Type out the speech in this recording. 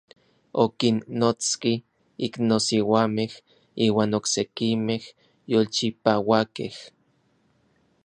Okinnotski iknosiuamej iuan oksekimej yolchipauakej.